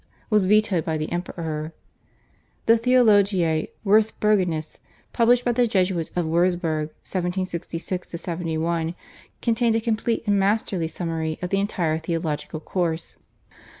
was vetoed by the Emperor. The /Theologia Wirceburgenis/ published by the Jesuits of Wurzburg (1766 71) contained a complete and masterly summary of the entire theological course.